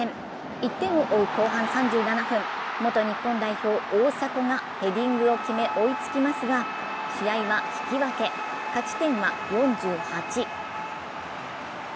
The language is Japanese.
１点を追う後半３７分、元日本代表・大迫がヘディングを決め追いつきますが試合は引き分け、勝ち点は４８。